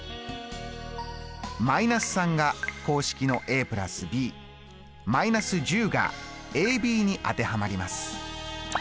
−３が公式の＋ｂ−１０がｂに当てはまります。